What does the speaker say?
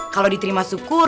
kalau diterima syukur